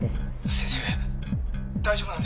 先生大丈夫なんでしょうか？